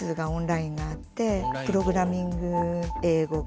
プログラミング英語。